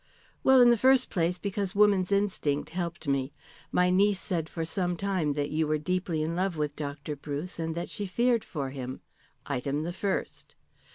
"Well, in the first place, because woman's instinct helped me. My niece said for some time that you were deeply in love with Dr. Bruce and that she feared for him item the first.